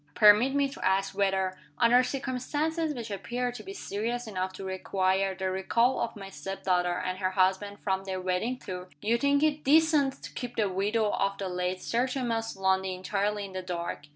Permit me to ask whether under circumstances which appear to be serious enough to require the recall of my step daughter and her husband from their wedding tour you think it DECENT to keep the widow of the late Sir Thomas Lundie entirely in the dark?